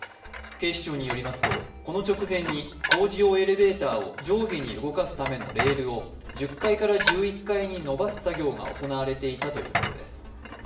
警視庁によりますと、工事用エレベーターを上下に動かすためのレールを１０階から１１階に伸ばす作業が行われていたということです。